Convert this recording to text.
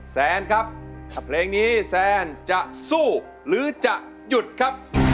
แซนครับเพลงนี้แซนจะสู้หรือจะหยุดครับ